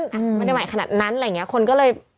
ไม่ได้ใหม่ขนาดนั้นอะไรอย่างนี้คนก็เลย